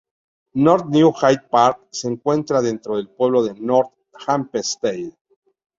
North New Hyde Park se encuentra dentro del pueblo de North Hempstead.